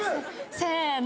せの。